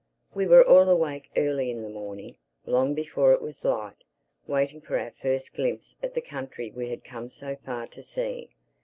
We were all awake early in the morning, long before it was light, waiting for our first glimpse of the country we had come so far to see.